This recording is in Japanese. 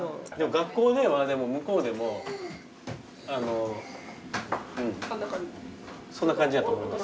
学校では向こうでもあのうんそんな感じやと思います。